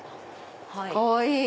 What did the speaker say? かわいい！